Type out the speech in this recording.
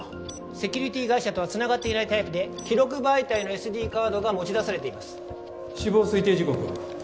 セキュリティー会社とはつながっていないタイプで記録媒体のＳＤカードが持ち出されています死亡推定時刻は？